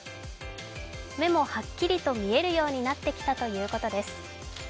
目もはっきりと見えるようになってきたということです。